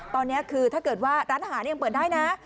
ตอนนี้คือถ้าเกิดว่าร้านอาหารยังเปิดได้นะ